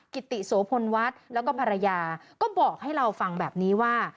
กิติโสพลวัฒน์แล้วก็ภรรยาก็บอกให้เราฟังแบบนี้ว่า